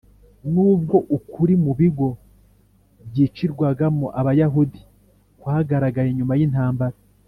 nubwo ukuri mu bigo byicirwagamo abayahudi kwagaragaye nyuma y'intambara